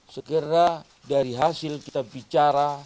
segera dari hasil kita bicara